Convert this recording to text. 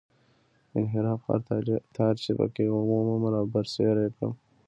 د انحراف هر تار چې په کې ومومم رابرسېره یې کړم.